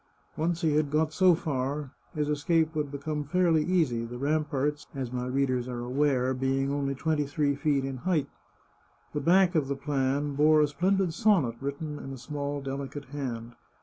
Once he had got so far, his escape would become fairly easy, the ramparts, as my readers are aware, being only twenty three feet in height. The back of the plan bore a splendid sonnet, written in a small delicate hand.